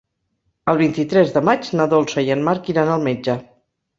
El vint-i-tres de maig na Dolça i en Marc iran al metge.